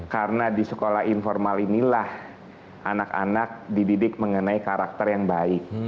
karena di sekolah informal inilah anak anak dididik mengenai karakter yang baik